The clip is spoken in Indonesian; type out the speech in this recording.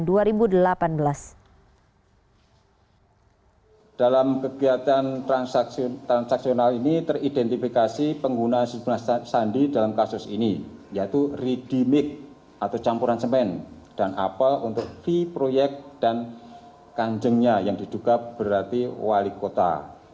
dalam kegiatan transaksional ini teridentifikasi pengguna sejumlah sandi dalam kasus ini yaitu ready mix atau campuran semen dan apel untuk fee proyek dan kanjengnya yang diduga berarti wali kota